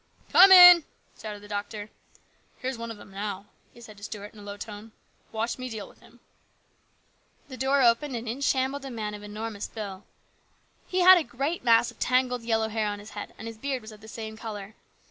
" Come in !" shouted the doctor. " Here's one of 'em now," he said to Stuart in a low tone. " Watch me deal with him." The door opened and in shambled a man of enormous build. He had a great mass of tangled yellow hair on his head, and his beard was of the same colour.